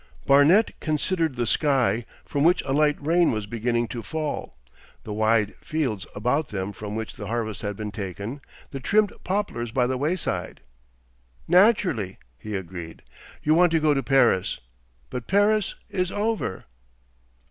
Barnet considered the sky, from which a light rain was beginning to fall, the wide fields about them from which the harvest had been taken, the trimmed poplars by the wayside. 'Naturally,' he agreed, 'you want to go to Paris. But Paris is over.